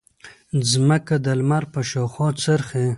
ځمکه د لمر په شاوخوا څرخي.